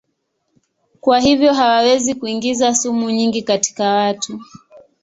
Kwa hivyo hawawezi kuingiza sumu nyingi katika watu.